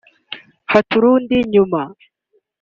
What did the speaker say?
‘Haturudi nyuma’